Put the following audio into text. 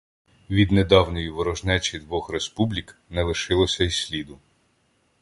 Від недавньої ворожнечі двох "республік" не лишилося й сліду.